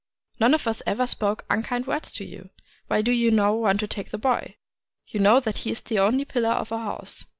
None of us ever spoke unkind words to you. Why do you now want to take the boy? You know that he is the only pillar of our house.